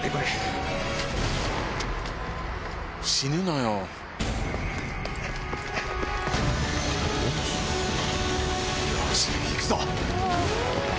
よし行くぞ！